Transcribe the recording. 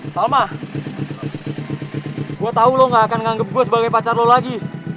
salma gue tahu lo gak akan nganggup gue sebagai pacar lo lagi